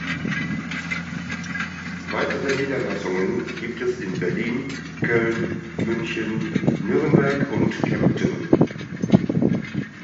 Weitere Niederlassungen gibt es in Berlin, Köln, München, Nürnberg und Kempten.